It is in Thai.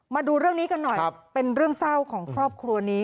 มาดูเรื่องนี้กันหน่อยเป็นเรื่องเศร้าของครอบครัวนี้